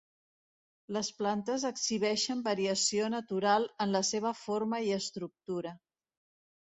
Les plantes exhibeixen variació natural en la seva forma i estructura.